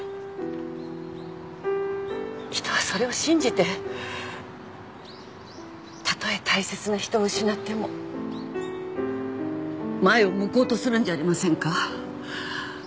人はそれを信じてたとえ大切な人を失っても前を向こうとするんじゃありませんか？